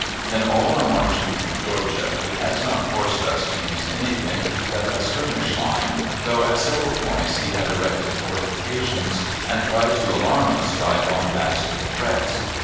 In all our marching through Georgia, he has not forced us to use any thing but a skirmish line, though at several points he had erected fortifications and tried to alarm us by bombastic threats.